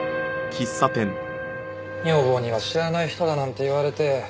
女房には知らない人だなんて言われて。